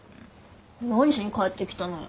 何しに帰ってきたのよ。